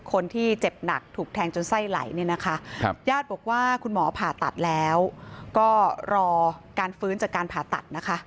คนที่เจ็บหนักถูกแทงจนไส้ไหลเนี่ยนะคะญาติบอกว่าคุณหมอผ่าตัดแล้วก็รอการฟื้นจากการผ่าตัดนะคะ